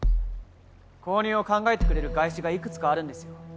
購入を考えてくれる外資がいくつかあるんですよ。